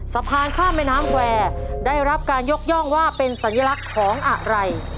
สะพานข้ามแม่น้ำแควร์ได้รับการยกย่องว่าเป็นสัญลักษณ์ของอะไร